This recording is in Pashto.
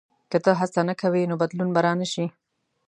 • که ته هڅه نه کوې، نو بدلون به نه راشي.